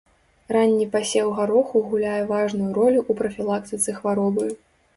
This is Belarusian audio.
Ранні пасеў гароху гуляе важную ролю ў прафілактыцы хваробы.